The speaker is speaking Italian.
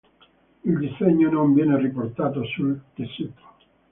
Il disegno non viene riportato sul tessuto.